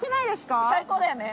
最高だよね。